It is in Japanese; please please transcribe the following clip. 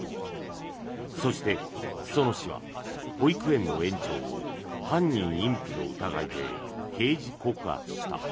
そして、裾野市は保育園の園長を犯人隠避の疑いで刑事告発した。